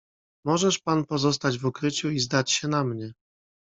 "Możesz pan pozostać w ukryciu i zdać się na mnie."